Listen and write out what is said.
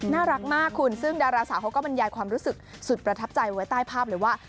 น่ารักมากคุณซึ่งดาราสาวเขาก็บรรยายความรู้สึกสุดประทับใจไว้ใต้ภาพเลยว่า